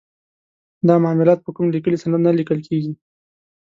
دا معاملات په کوم لیکلي سند نه لیکل کیږي.